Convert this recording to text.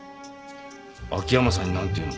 秋山さんに何て言うの？